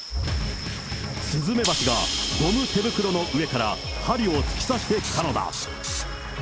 スズメバチが、ゴム手袋の上から、針を突き刺してきたのだ。